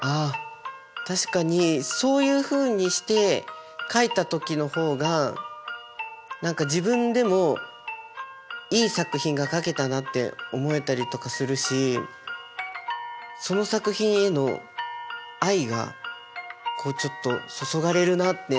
確かにそういうふうにして描いた時の方が自分でもいい作品が描けたなって思えたりとかするしその作品への愛がこうちょっと注がれるなって。